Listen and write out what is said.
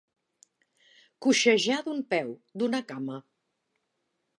Coixejar d'un peu, d'una cama.